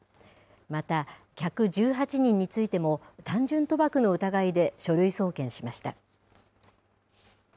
また客１８人についても、単純賭博の疑いで書類送検しました。